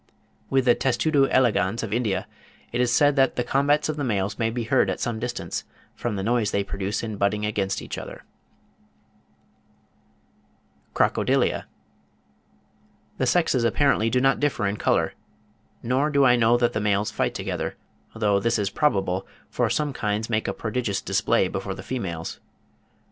With the Testudo elegans of India, it is said "that the combats of the males may be heard at some distance, from the noise they produce in butting against each other." (53. Dr. Gunther, 'Reptiles of British India,' 1864, p. 7.) CROCODILIA. The sexes apparently do not differ in colour; nor do I know that the males fight together, though this is probable, for some kinds make a prodigious display before the females.